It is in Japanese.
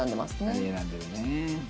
２人選んでるね。